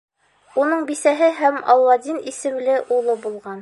Уның бисәһе һәм Аладдин исемле улы булған.